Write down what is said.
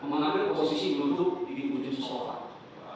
memanami posisi belutuk di hujung sofa